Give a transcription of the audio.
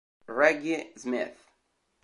Reggie Smith